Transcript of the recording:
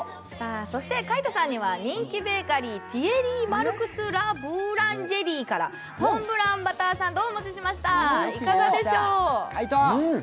そして海音さんには人気ベーカリー、ティエリー・マルクス・ラ・ブーランジェリーさんからモンブランバターサンドをお持ちしました、いかがでしょう。